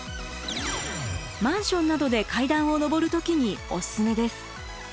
マンションなどで階段を上る時におすすめです。